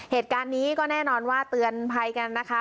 เหตุการณ์นี้ก็แน่นอนว่าเตือนภัยกันนะคะ